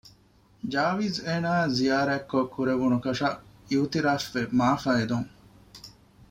ޖާވިޒް އޭނާއަށް ޒިޔާރަތްކޮއް ކުރެވުނު ކުށަށް އިއުތިރާފްވެ މަޢާފްއަށް އެދުން